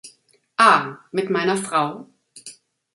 A: Mit meiner Frau.